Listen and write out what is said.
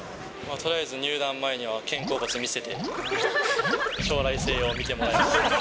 とりあえず入団前には肩甲骨見せて、将来性を見てもらいます。